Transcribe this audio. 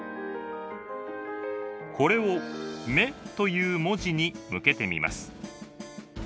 これを「め」という文字に向けてみます。